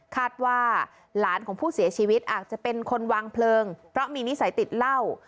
คาดว่าหลานของผู้เสียชีวิตอาจจะเป็นคนวางเพลิงเพราะมีนิสัยติดเหล้า